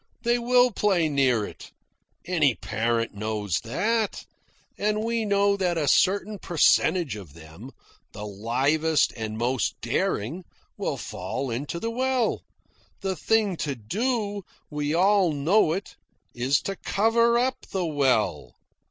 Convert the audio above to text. They'll play near it. Any parent knows that. And we know that a certain percentage of them, the livest and most daring, will fall into the well. The thing to do we all know it is to cover up the well.